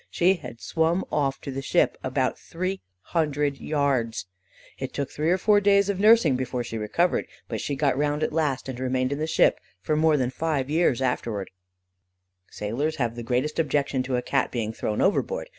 She had swum off to the ship, about three hundred yards. It took three or four days of nursing before she recovered, but she got round at last, and remained in the ship for more than five years afterwards. "Sailors have the greatest objection to a Cat being thrown overboard.